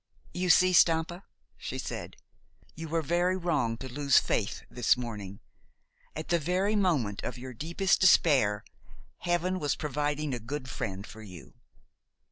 "You see, Stampa," she said, "you were very wrong to lose faith this morning. At the very moment of your deepest despair Heaven was providing a good friend for you."